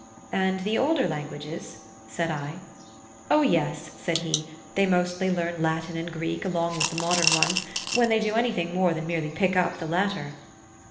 "And the older languages?" said I. "O, yes," said he, "they mostly learn Latin and Greek along with the modern ones, when they do anything more than merely pick up the latter."